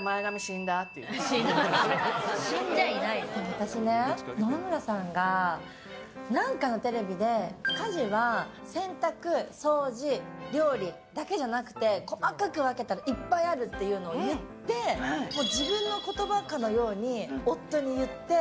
私ね、野々村さんが何かのテレビで家事は洗濯、掃除料理だけじゃなくて細かく分けたらいっぱいあるっていうのを見て自分の言葉かのように夫に言って。